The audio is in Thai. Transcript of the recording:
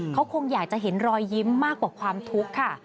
เขาคงอยากจะเห็นรอยยิ้มมากกว่าความทุกข์ค่ะ